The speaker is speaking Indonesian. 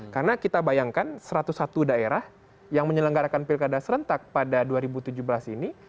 karena kita bayangkan satu ratus satu daerah yang menyelenggarakan pilkada serentak pada dua ribu tujuh belas ini